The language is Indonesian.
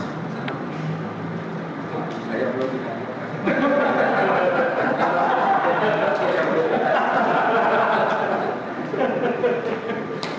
saya belum dikaji